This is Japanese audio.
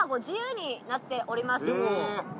自由になっております。